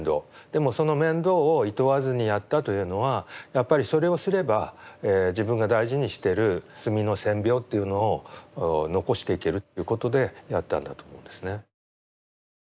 でもその面倒をいとわずにやったというのはやっぱりそれをすれば自分が大事にしてる墨の線描というのを残していけるということでやったんだと思うんですね。